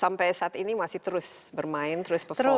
sampai saat ini masih terus bermain terus perform ya